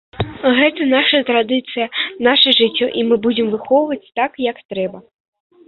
Гэта наша традыцыя, наша жыццё, і мы будзем выхоўваць так, як трэба.